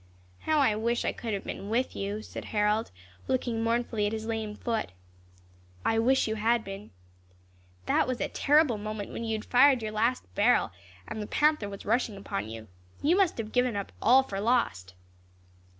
"How I wish I could have been with you," said Harold, looking mournfully at his lame foot. "I wish you had been." "That was a terrible moment, when you had fired your last barrel, and the panther was rushing upon you. You must have given up all for lost."